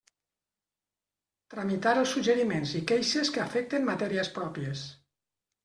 Tramitar els suggeriments i queixes que afecten matèries pròpies.